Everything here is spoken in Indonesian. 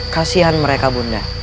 kasian mereka bunda